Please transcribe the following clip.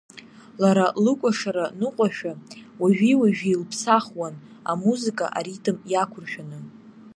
Лара лыкәашара ныҟәашәа уажәи-уажәи илԥсахуан, амузыка аритм иақәыршәаны.